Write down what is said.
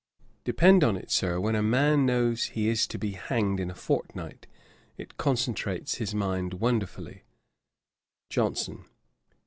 Depend upon it, Sir, when a man knows he is to be hanged in a fortnight, it concentrates his mind wonderfully."' JOHNSON.